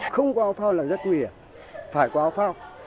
không có áo phao là rất nguy hiểm phải qua áo phao